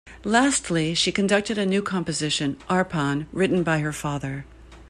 Lastly, she conducted a new composition, "Arpan", written by her father.